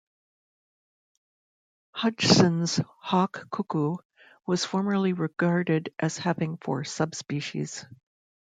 Hodgson's hawk-cuckoo was formerly regarded as having four subspecies.